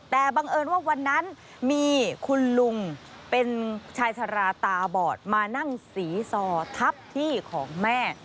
แต่บังเอิญว่าวันนั้นมีคุณลุงเป็นชายชะลาตาบอดมานั่งสีซอทับที่ของแม่